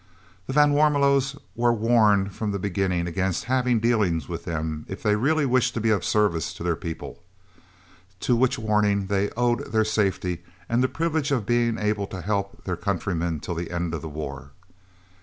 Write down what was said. The van Warmelos were warned from the beginning against having dealings with them if they really wished to be of service to their people, to which warning they owed their safety and the privilege of being able to help their countrymen till the end of the war.